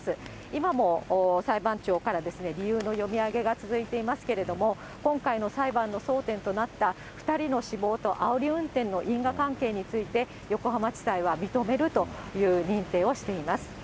今も裁判長から理由の読み上げが続いていますけれども、今回の裁判の争点となった２人の死亡とあおり運転の因果関係について、横浜地裁は認めるという認定をしています。